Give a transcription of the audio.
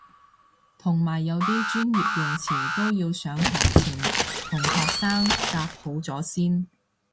同埋有啲專業用詞都要上堂前同學生夾好咗先